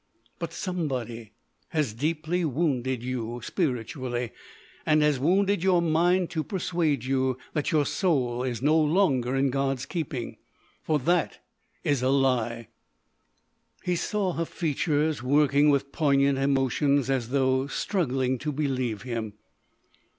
But somebody has deeply wounded you, spiritually, and has wounded your mind to persuade you that your soul is no longer in God's keeping. For that is a lie!" He saw her features working with poignant emotions as though struggling to believe him.